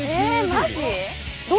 マジ？